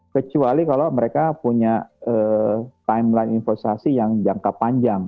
kecuali kalau mereka punya timeline investasi yang jangka panjang